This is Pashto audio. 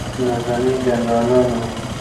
نظامي جنرالانو